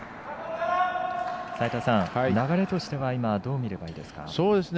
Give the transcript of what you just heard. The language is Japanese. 流れとしては今どう見ればいいですか。